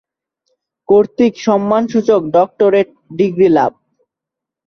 কর্তৃক সম্মানসূচক doctorate degree লাভ